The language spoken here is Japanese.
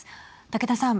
竹田さん。